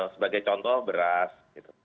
sebagai contoh beras